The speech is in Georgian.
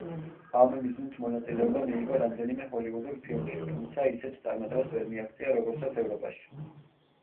ამ მიზნით მონაწილეობა მიიღო რამდენიმე ჰოლივუდურ ფილმში, თუმცა ისეთ წარმატებას ვერ მიაღწია, როგორსაც ევროპაში.